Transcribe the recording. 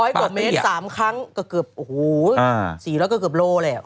๑๐๐กว่าเมตร๓ครั้งก็เกือบโอ้โห